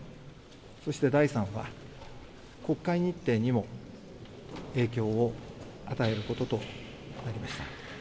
そして第３は、国会日程にも影響を与えることとなりました。